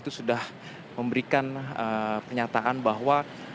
itu sudah memberikan pernyataan bahwa